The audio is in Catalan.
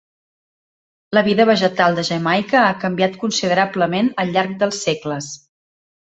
La vida vegetal de Jamaica ha canviat considerablement al llarg dels segles.